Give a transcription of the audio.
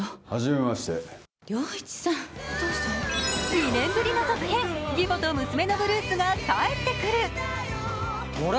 ２年ぶりの続編「義母と娘のブルース」が帰ってくる。